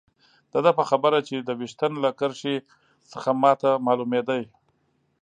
د ده په خبره چې د ویشتن له کرښې څخه ما ته معلومېده.